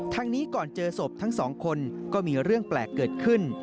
ทางนี้ก่อนเจอศพทั้งสองคนก็มีเรื่องแปลกเกิดขึ้น